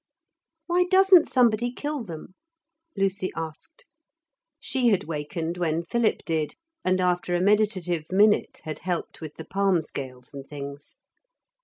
'Why doesn't somebody kill them?' Lucy asked. She had wakened when Philip did, and, after a meditative minute, had helped with the palm scales and things.